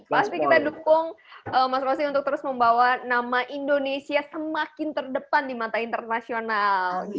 pasti kita dukung mas rosi untuk terus membawa nama indonesia semakin terdepan di mata internasional